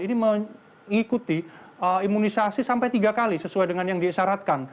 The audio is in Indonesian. ini mengikuti imunisasi sampai tiga kali sesuai dengan yang disyaratkan